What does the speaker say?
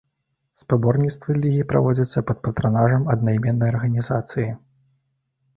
Спаборніцтвы лігі праводзяцца пад патранажам аднайменнай арганізацыі.